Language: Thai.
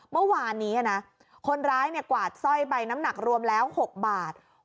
เมื่อวานนี้นะคนร้ายกวาดสร้อยไปน้ำหนักรวมแล้ว๖บาท